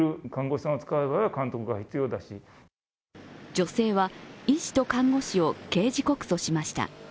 女性は、医師と看護師を刑事告訴しました。